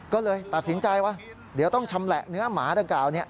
ก็เลยตัดสินใจว่าเดี๋ยวต้องชำแหละเนื้อหมาดังกล่าว